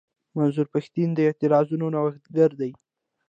منظور پښتين د اعتراضونو نوښتګر دی.